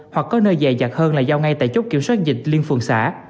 hoặc có nơi dài dạc hơn là giao ngay tại chốt kiểm soát dịch liên phường xã